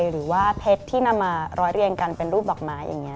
หรือว่าเพชรที่นำมาร้อยเรียงกันเป็นรูปดอกไม้อย่างนี้